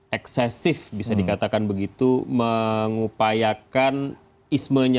best sens al'athronisme keempat baik persatu langsung sama dengan semuanya